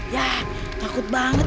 ya takut banget